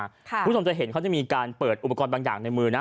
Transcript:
หรือพกพาคุณสมจะเห็นเขาจะมีการเปิดอุปกรณ์บางอย่างในมือนะ